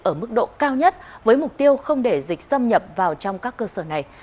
ở mức độ cao nhất với mục tiêu không để dịch xâm nhập vào trong các cơ sở này